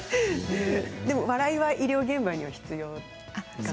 でも、笑いは医療現場には必要かな？